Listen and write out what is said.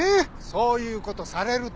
そういう事されると。